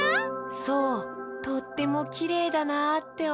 そうとってもきれいだなっておもって。